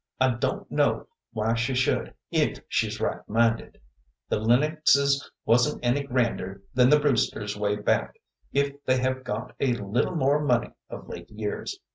I don't know why she should, if she's right minded. The Lennoxes wasn't any grander than the Brewsters way back, if they have got a little more money of late years.